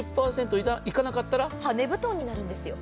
５０％いかなかったら羽根布団になるんですよ。